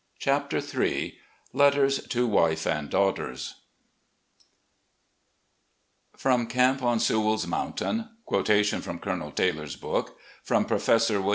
CHAPTER III Letters to Wife and Daughters PROM CAMP ON SEWELl's MOUNTAIN — QUOTATION FROM COLONEL Taylor's book — from professor wm.